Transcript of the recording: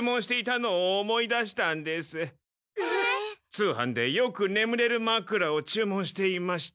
通販でよくねむれるマクラを注文していました。